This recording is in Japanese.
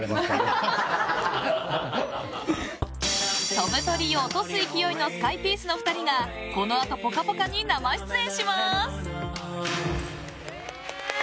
飛ぶ鳥を落とす勢いのスカイピースの２人がこのあと「ぽかぽか」に生出演します！